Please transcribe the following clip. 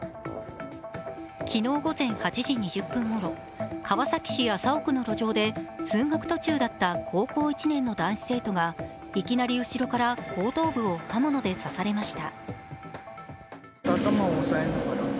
昨日午前８時２０分ごろ、川崎市麻生区の路上で通学途中だった高校１年生の男子生徒がいきなり後ろから後頭部を刃物で刺されました。